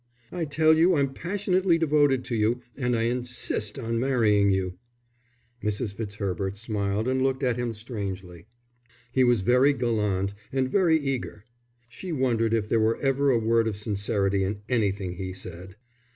I tell you I'm passionately devoted to you, and I insist on marrying you." Mrs. Fitzherbert smiled and looked at him strangely. He was very gallant and very eager. She wondered if there were ever a word of sincerity in anything he said.